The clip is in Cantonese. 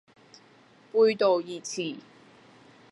背道而馳